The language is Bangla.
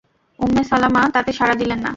উম্মে সালামা তাতে সাড়া দিলেন না।